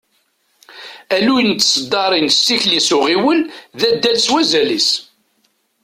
Alluy n tseddaṛin s tikli s uɣiwel, d addal s wazal-is.